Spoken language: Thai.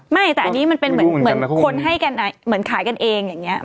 ไม่แต่อันนี้มันเป็นเหมือนคนให้กันเหมือนขายกันเองอย่างนี้